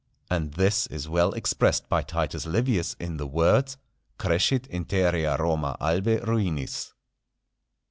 And this is well expressed by Titus Livius, in the words, "Crescit interea Roma Albae ruinis."